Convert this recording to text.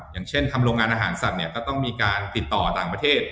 อย่างเช่นทำโรงงานอาหารสัตว์เนี่ยก็ต้องมีการติดต่อต่างประเทศ